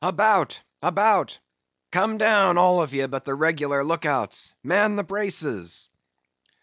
About! about! Come down, all of ye, but the regular look outs! Man the braces!"